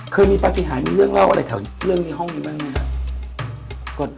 เคยมีปฏิหารมีเรื่องเล่าอะไรแถวเรื่องในห้องนี้บ้างไหมครับ